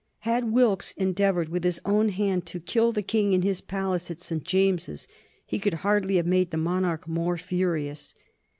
Had Wilkes endeavored with his own hand to kill the King in his palace of St. James's he could hardly have made the monarch more furious.